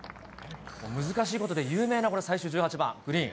難しいことで有名な、これ、最終１８番、グリーン。